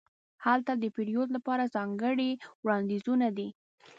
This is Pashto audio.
هلته د پیرود لپاره ځانګړې وړاندیزونه دي.